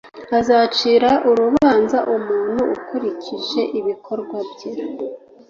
azacira urubanza muntu akurikije ibikorwa bye